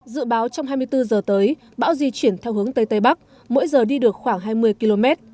dự báo trong hai mươi bốn giờ tới bão di chuyển theo hướng tây tây bắc mỗi giờ đi được khoảng hai mươi km